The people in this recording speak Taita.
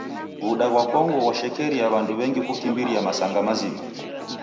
W'uda ghwa Kongo ghwashekerie w'andu w'engi kukimbiria masanga mazima.